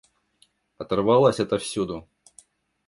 Оторвалась отовсюду!